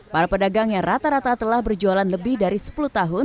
para pedagang yang rata rata telah berjualan lebih dari sepuluh tahun